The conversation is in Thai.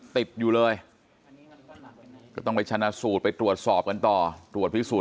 ติดอยู่เลยก็ต้องไปชนะสูตรไปตรวจสอบกันต่อตรวจพิสูจน